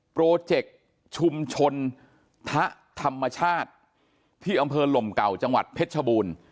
โปรเจกต์ชุมชนทะธรรมชาติที่อำเภอหลมเก่าจังหวัดเพชรชบูรณ์